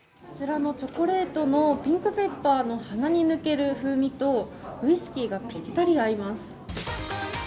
こちらのチョコレートのピンクペッパーの鼻に抜ける香りとウイスキーがぴったり合います。